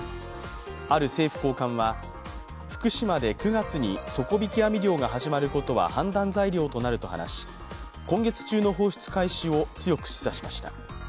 ある政府高官は福島で９月に底引き網漁が始まることは判断材料となると話し、今月中の放出開始を強く示唆しました。